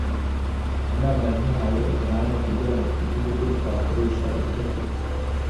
Imana yaduhaye ubuhanga kugira ngo twige uburyo twakoresha ibyokurya